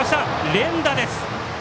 連打です。